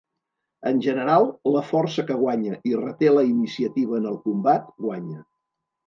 En general, la força que guanya i reté la iniciativa en el combat, guanya.